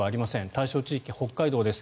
対象地域は北海道です。